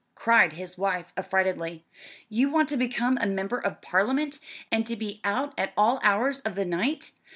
cried his wife affrightedly. "You want to become a Member of Parliament, and to be out at all hours of the night!